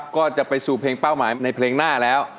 ก็จะไปสู่เพลงเป้าหมายในเพลงหน้าแล้ว